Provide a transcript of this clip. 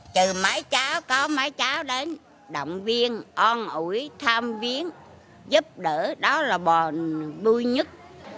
từ có mấy cháu đến động viên on ủi tham viên giúp đỡ đó là vui nhất